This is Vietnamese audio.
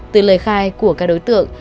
từ lời khai của các đối tượng